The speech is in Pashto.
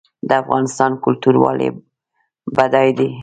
د افغانستان کلتور ولې بډای دی؟